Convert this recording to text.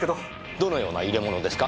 どのような入れ物ですか？